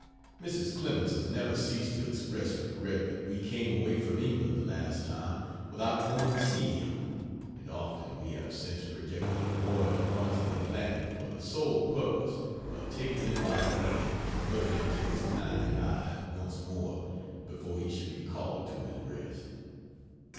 Mrs. Clemens has never ceased to express regret that we came away from England the last time without going to see him, and often we have since projected a voyage across the Atlantic for the sole purpose of taking him by the hand and looking into his kind eyes once more before he should be called to his rest.